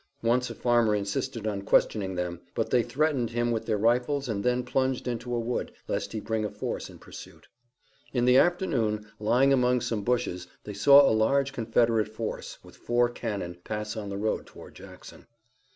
Once a farmer insisted on questioning them, but they threatened him with their rifles and then plunged into a wood, lest he bring a force in pursuit. In the afternoon, lying among some bushes, they saw a large Confederate force, with four cannon, pass on the road toward Jackson.